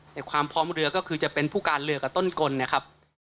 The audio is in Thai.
ในความพร้อมเรือก็คือจะเป็นผู้การเรือกับต้นกลนะครับ